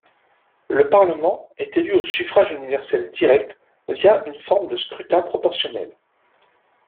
Le Parlement est élu au suffrage universel direct via une forme de scrutin proportionnel.